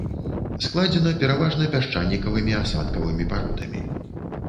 Складзена пераважна пясчанікавымі асадкавымі пародамі.